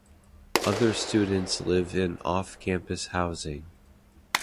Other students live in off-campus housing.